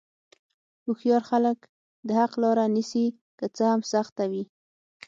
هوښیار خلک د حق لاره نیسي، که څه هم سخته وي.